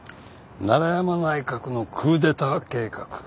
奈良山内閣のクーデター計画。